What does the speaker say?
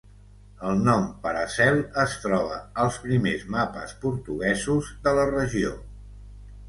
El nom "Paracel" es troba als primers mapes portuguesos de la regió.